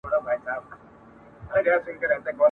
آیا میوند فتحه سو؟